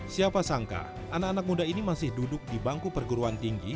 siapa sangka anak anak muda ini masih duduk di bangku perguruan tinggi